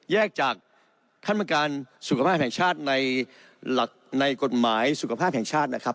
จากขั้นประการสุขภาพแห่งชาติในกฎหมายสุขภาพแห่งชาตินะครับ